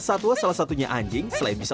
satwa salah satunya anjing selain bisa